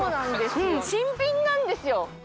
新品なんですよ。